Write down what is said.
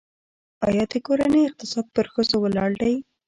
آیا د کورنۍ اقتصاد پر ښځو ولاړ دی؟